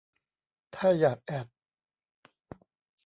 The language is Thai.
ถ้าอยากแอด